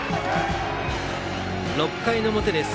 ６回の表です。